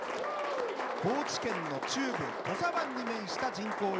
高知県の中部、土佐湾に面した人口